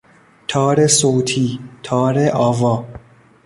تار صوتی، تار آوا